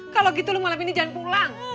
kalo gitu lu malam ini jangan pulang